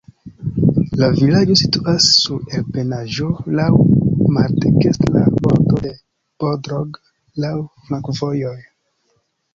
La vilaĝo situas sur ebenaĵo, laŭ maldekstra bordo de Bodrog, laŭ flankovojoj.